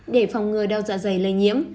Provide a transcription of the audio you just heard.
để phòng ngừa đau dạ dày lây nhiễm